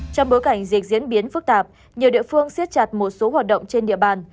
trong bối cảnh dịch diễn biến phức tạp nhiều địa phương siết chặt một số hoạt động trên địa bàn